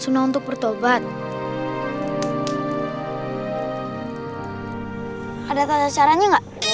sunnah untuk bertaubat ada tajak caranya enggak